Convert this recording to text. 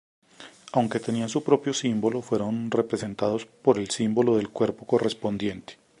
Aunque tenían su propio símbolo, fueron representados por el símbolo del cuerpo correspondiente.